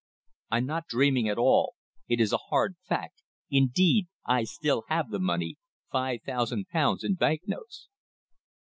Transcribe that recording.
_" "I'm not dreaming at all! It is a hard fact. Indeed, I still have the money five thousand pounds in bank notes."